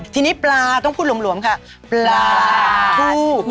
ทีนี้ปลาต้องพูดหลวมค่ะปลาทู